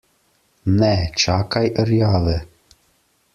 Ne, čakaj rjave.